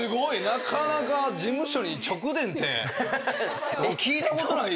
なかなか事務所に直電って聞いたことない。